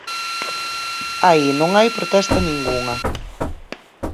Aí non hai protesta ningunha.